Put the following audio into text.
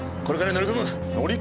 乗り込む！？